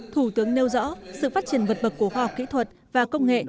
thủ tướng nêu rõ sự phát triển vật bậc của khoa học kỹ thuật và công nghệ